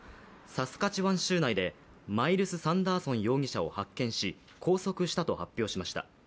サスカチワン州内でマイルス・サンダーソン容疑者を発見し拘束したと発表しました。